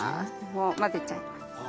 もう混ぜちゃいます。